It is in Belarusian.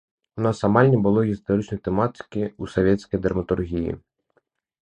У нас амаль не было гістарычнай тэматыкі ў савецкай драматургіі.